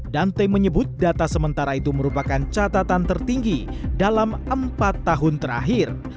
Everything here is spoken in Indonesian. dante menyebut data sementara itu merupakan catatan tertinggi dalam empat tahun terakhir